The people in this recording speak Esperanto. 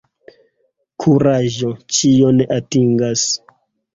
Kuraĝo ĉion atingas.